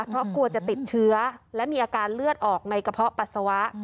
เพราะกลัวจะติดเชื้อและมีอาการเลือดออกในกระเพาะปัสสาวะ